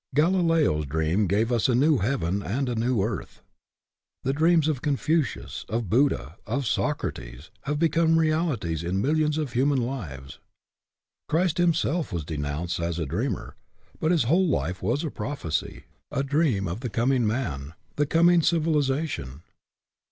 Galileo's dream gave us a new heaven and a new earth. The dreams of Confucius, of Buddha, of Socrates, WORLD OWES TO DREAMERS 65 have become realities in millions of human lives. Christ Himself was denounced as a dreamer, but His whole life was a prophecy, a dream of the coming man, the coming civiliza tion.